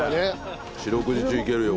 四六時中いけるよこれ。